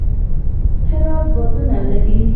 هرات بادونه لري